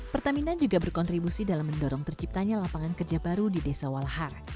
pertamina juga berkontribusi dalam mendorong terciptanya lapangan kerja baru di desa walahar